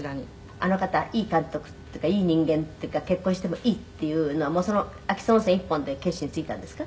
「あの方はいい監督っていうかいい人間っていうか結婚してもいいっていうのはその『秋津温泉』一本で決心ついたんですか？」